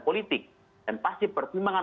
politik dan pasti pertimbangan